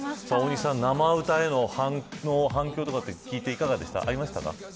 生歌への反響と聞いていかがですか。